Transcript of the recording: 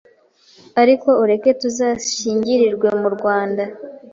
ariko ureke tuzashyingirirwe mu Rwanda,